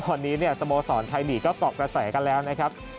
ตอนนี้เนี่ยสโมสรไทยลีกก็เกาะกระแสกันแล้วนะครับ